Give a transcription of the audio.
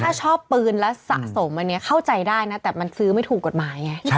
ถ้าชอบปืนแล้วสะสมอันนี้เข้าใจได้นะแต่มันซื้อไม่ถูกกฎหมายไง